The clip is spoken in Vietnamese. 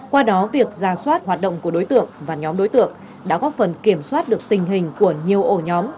qua đó việc ra soát hoạt động của đối tượng và nhóm đối tượng đã góp phần kiểm soát được tình hình của nhiều ổ nhóm